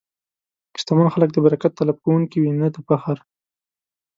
شتمن خلک د برکت طلب کوونکي وي، نه د فخر.